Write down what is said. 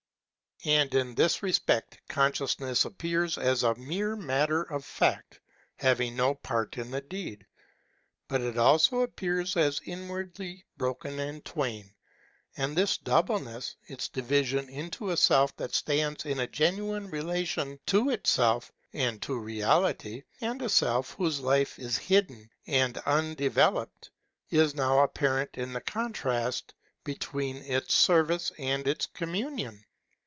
And in this re PHENOMENOLOGY OF THE SPIRIT 623 spect consciousness appears as a mere matter of fact having no part in the deed ; but it also appears as inwardly broken in twain, and this doubleness, its division into a Self that stands in a genuine relation to itself)and to reality, and a Self whose life is hidden and undeveloped, is now apparent in the contrast be tween its service and its communion.